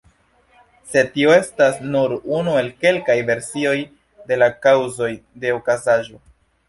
Sed tio estas nur unu el kelkaj versioj de la kaŭzoj de okazaĵo.